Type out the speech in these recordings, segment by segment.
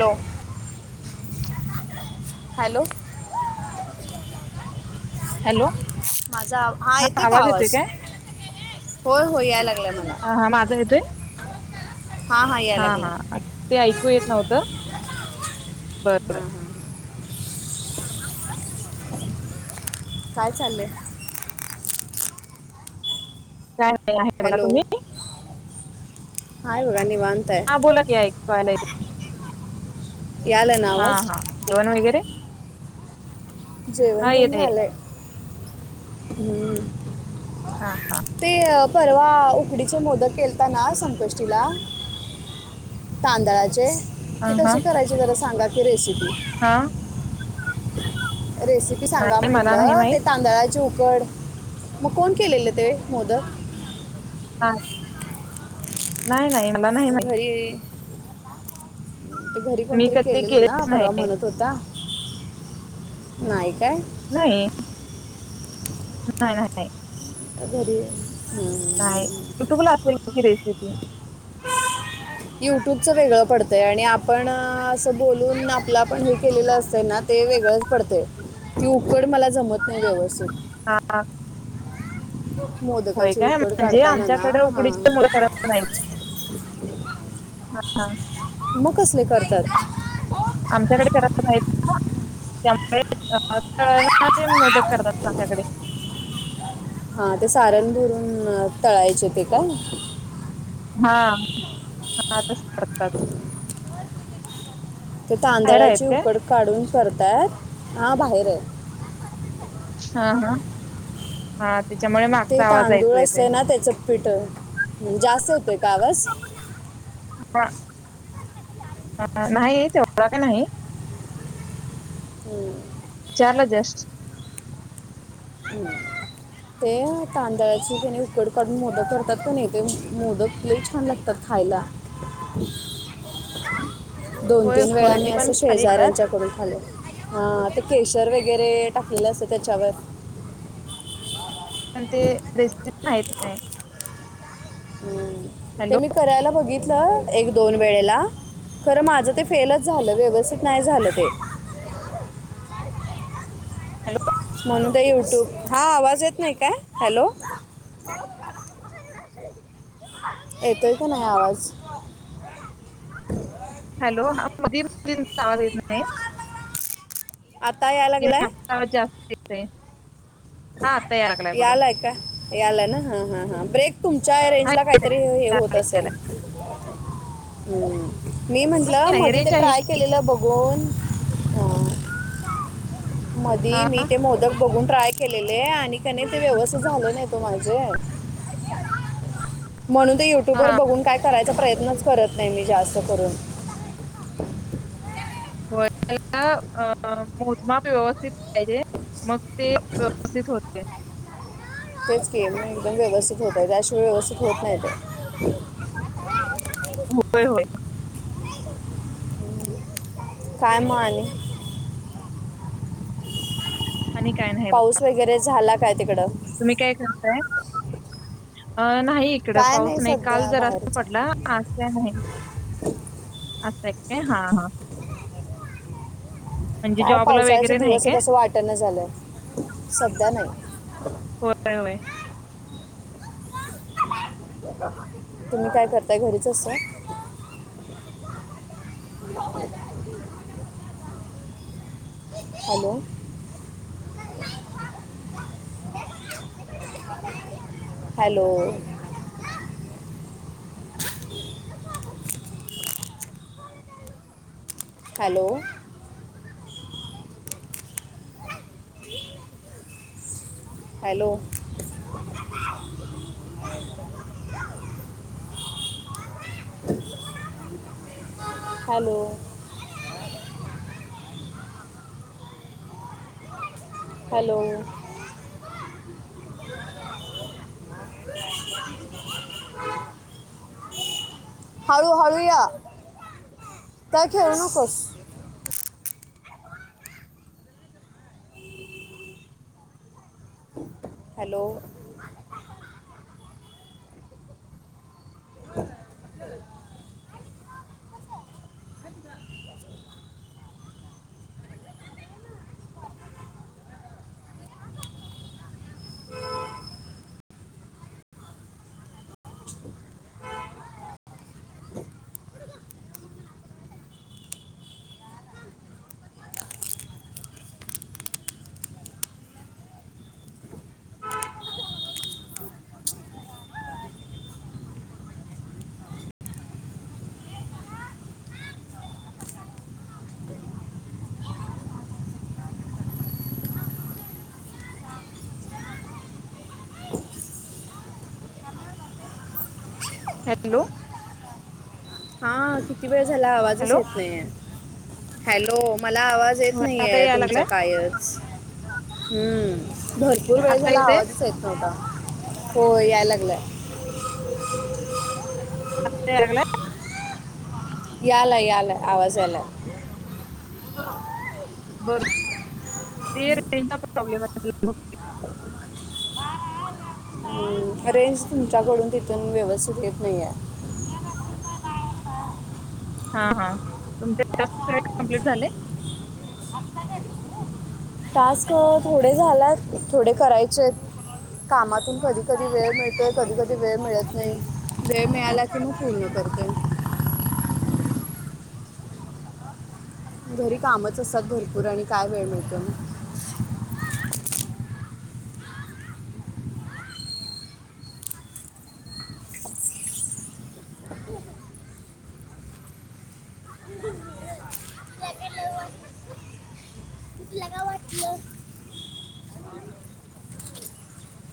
Hello hello hello माजा हा येते का आवाज? हो हो याय लागलं मला हा हा माझा येतोय? हां हां हा यायला लागलाय हा ते ऐकू येत नव्हतं. बर बर हां हां काय चाललंय. काय नाही आहे बघा हॅलो तुम्ही? हाय बघा निवांत हा आहे बोला की ऐकू यायलय यायला ना हा आवाज हा जेवण वगैरे जेवंन हा तेन येत आहे झालंय हम्म हा ते अ परवा उकडीचे मोदक केलता ना संकष्टीला तांदळाचे अ ते हा कसे करायचे जरा सांगा की रेसिपी हा रेसिपी सांगा नाही मला नाही म्हंटलं ते माहित तांदळाची उप कड मग कोण केलेले ते मोदक हा नाही नाही. मला नाही माहित घरी ते घरी मी कोणतरी कधी केलेलं ना केलेच नाही परवा म्हणत होता. नाही काय नाही. नाही नाही. घरी नाही युट्यूबला असेल की रेसिपी युट्यूबच वेगळं पडतय आणि आपण असं बोलून आपला पण हे केलेलं असतय ना ते वेगळंच पडतय ती उकड मला जमत नाही व्यवस्थित हा होय मोदकाची काय उकड म्हणजे काढताना ना आमच्याकडे हा उकडीचे मोदक करत नाहीत हा हा मग कसले करतात? आमच्याकडे करत नाहीत त्यामुळे [inaudible] चे मोदक करतात आमच्याकडे हा ते सारण भरून तळायचे ते का? हा [inaudible] करतात. ते बाहेर आहेत तांदळाची काय? उकड काढून करताय हा बाहेर आहे हा हा हा त्याच्यामुळे ते मागचा आवाज तांदूळ ऐकू येतोय. असतंय ना त्याचं पिठ जास्त येतय का आवाज? ह नाही तेवढा का नाही. विचारल जस्ट. ते तांदळाची त्याने उकड काढून मोदक करतात, प नाही ते मोदक छान लागतात खा खायला दोन होय तीन वेळा होय मी पण असं खाली एकदाच शेजाऱ्यांच्याकडून खाले ह. केशर वगैरे टाकलेलं असत त्याच्यावर. पण ते रेसिपी माहीत नाही. हम्म. ते हॅलो मी करायला बघितलं एक दोन वेळेला. खरं माझं ते फेलच झालं व्यवस्थित नाही झालं ते. हॅलो. म्हण युट्यूब हा आवाज येत नाही काय हॅलो. येतोय का नाही आवाज. हॅलो हा मधेच आवाज येत नाही. आता [unintelligible] यायला ठी लागलाय आहे हा तयारलाय बघा. याला ना हा हा हा ब्रेक तुमच्या हा रेंज ला येतोय. काहीतरी हे होत असेल. मी म्हंटलं नाही नाही मध ते रेंज आहे ट्राय की केलेलं बघून अं, मधी हा मी ते मोदक बघून ट्राय केलेले आहे, आणि क नाही ते व्यवस्थित झालं नाही तो माझे. म्हणून ते युट्युब वर हा बघून काय. करायचा प्रयत्नच करत नाही मी जास्त करून. होला अ मोजमाप व्यवस्थित पाहिजे. मग ते व्यवस्थित होते. तेच के एकदम व्यवस्थित होतय त्याशिवाय व्यवस्थित होत नाही ते [unintelligible] हो [unintelligible] होय होय. कायमाने. आणि काय नाही बघा पाऊस वगैरे झाला काय तिकडं. तुम्ही काय करताय अ. नाही इकड काय पाऊस नाही, काल सध्या जर असा बाहेरचा पडला. हा हा. काय पावसाळ्याचे वगैरे नाही दिवस काय? आहेत, असं वाटण झालंय. सध्या नाही. होय होय तुम्ही काय करताय घरीच असा [inaudible] hello. Hello. Hello. Hello. [unintelligible] Hello. Hello. [unintelligible] हळूहळू या. काय खेळ नकोस. हॅलो. [unintelligible] हम [unintelligible] हॅलो. हा किती वेळ झाला, आवाजच हॅलो येत नाही हॅलो. मला आवाज येत होय आता नाहीय याय तुमचं लागलाय? कायच हम्म. भरपूर वेळ आता झाला येतंय? आवाजच येत नव्हता. होय यायला लागलं आता याला लागलं यालाय यालाय आवाज याला बरोर रान्ज प्रॉब्लेम आहे अरेंज तुमच्याकडून तिथून व्यवस्थित येत नाही आहे हा हा तुमचे टास्क कम्प्लीट झाले टास्क थोडे झालात थोडे करायचे कामातून कधी कधी वेळ मिळतोय कधी कधी वेळ मिळत नाही वेळ मिळाला तर मी फोन करते घरी कामच असतात भरपूर आणि काय वेळ मिळतो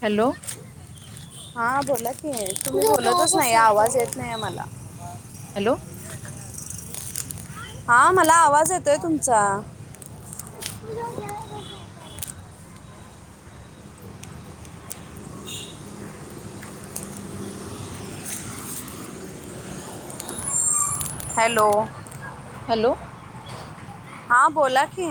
हॅलो हा बोला की तुम्ही बोलतच नाही आवाज येत नाही मला हॅलो हा मला आवाज येतोय तुमचा हॅलो! हॅलो! हा बोला की